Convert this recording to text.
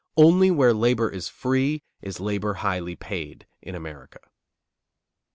Only where labor is free is labor highly paid in America.